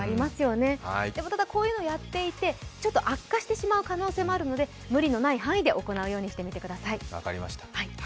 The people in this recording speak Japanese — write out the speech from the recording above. でもこういうのをやっていて悪化してしまうこともあるので無理のない範囲で行うようにしてみてください。